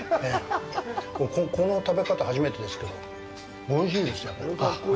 この食べ方、初めてですけどおいしいです。